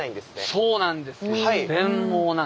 そうなんですよ。